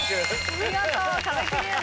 見事壁クリアです。